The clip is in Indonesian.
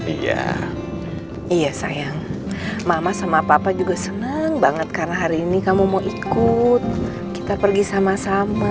iya iya sayang mama sama papa juga senang banget karena hari ini kamu mau ikut kita pergi sama sama